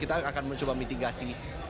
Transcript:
kita akan mencoba mitigasi